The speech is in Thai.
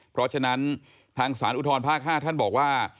เพราะฉะนั้นทางสารอุทธรภาค๕ท่านบอกว่า